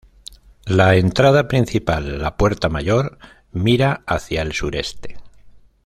La entrada principal, la "Puerta Mayor", mira hacia el sureste.